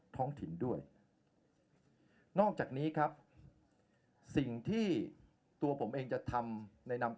ท้องถิ่นด้วยนอกจากนี้ครับสิ่งที่ตัวผมเองจะทำในนำ